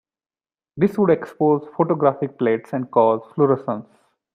This would expose photographic plates and cause fluorescence.